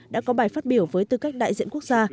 đã có bài phát biểu với tư cách đại diện quốc gia